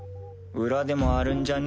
裏でもあるんじゃね？